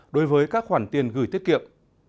đối với các khoản tiền gửi tiết kiệm